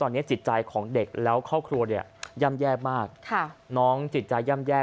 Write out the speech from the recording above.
ตอนนี้จิตใจของเด็กแล้วครอบครัวเนี่ยย่ำแย่มากน้องจิตใจย่ำแย่